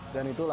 dan itu latihan